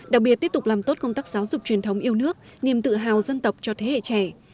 đặc biệt tiếp tục làm tốt công tác giáo dục truyền thống yêu nước niềm tự hào dân tộc cho thế hệ trẻ